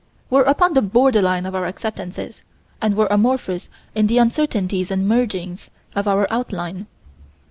We're upon the borderline of our acceptances, and we're amorphous in the uncertainties and mergings of our outline.